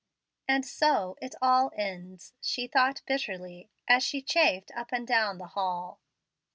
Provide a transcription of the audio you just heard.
"And so it all ends," she thought bitterly, as she chafed up and down the hall.